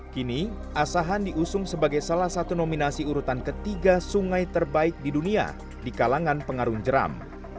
kini asahan diusung sebagai salah satu nominasi urutan ketiga sungai terbaik di dunia di kalangan pengarun jeram